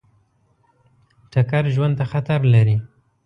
ټکر ژوند ته خطر لري.